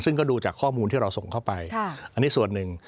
ซึ่งก็ดูจากข้อมูลที่เราส่งเข้าไปอันนี้ส่วนหนึ่ง